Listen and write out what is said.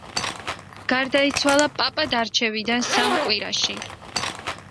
გარდაიცვალა პაპად არჩევიდან სამ კვირაში.